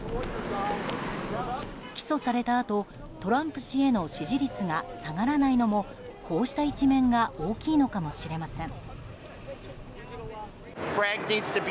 起訴されたあと、トランプ氏への支持率が下がらないのもこうした一面が大きいのかもしれません。